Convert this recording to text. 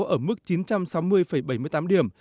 ở mức chín trăm sáu mươi bảy mươi tám điểm